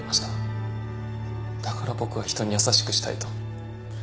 だから僕は人に優しくしたいと。